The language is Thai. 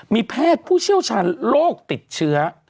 มีแพทย์ผู้เชี่ยวชาญโรคติดเชื้อ